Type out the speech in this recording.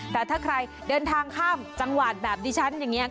แต่ถ้าใครเดินทางข้ามจังหวัดแบบดิฉันอย่างนี้